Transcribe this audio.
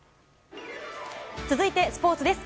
続いて、スポーツです。